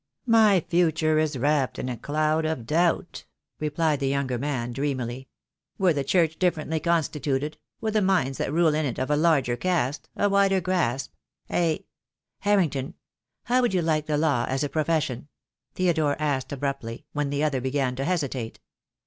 "My future is wrapped in a cloud of doubt," replied the younger man, dreamily. "Were the Church differently constituted — were the minds that rule in it of a larger cast, a wider grasp, a " "Harrington, how would you like the law as a pro fession?" Theodore asked abruptly, when the other began to hesitate.